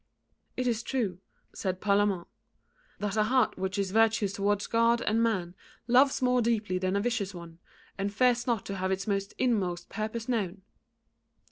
"It is true," said Parlamente, "that a heart which is virtuous towards God and man loves more deeply than a vicious one, and fears not to have its inmost purpose known."